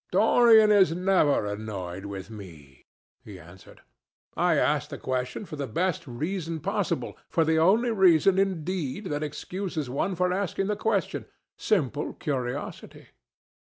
"Dorian is never annoyed with me," he answered. "I asked the question for the best reason possible, for the only reason, indeed, that excuses one for asking any question—simple curiosity.